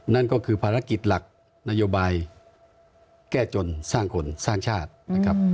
นั่นก็คือภารกิจหลักนโยบายแก้จนสร้างคนสร้างชาตินะครับ